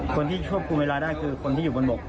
คนที่ควบคุมเวลาได้คือคนที่อยู่บนบก